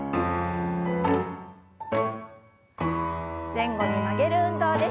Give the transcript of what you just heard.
前後に曲げる運動です。